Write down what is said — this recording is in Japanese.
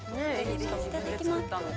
◆いただきました？